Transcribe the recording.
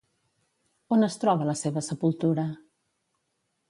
On es troba la seva sepultura?